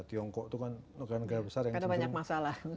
tiongkok itu kan negara besar yang cenderung